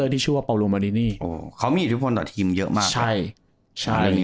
ที่ชื่อว่าอ๋อเขามีอิทธิพลต่อทีมเยอะมากใช่ใช่